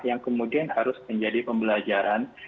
yang kemudian harus menjadi pembelajaran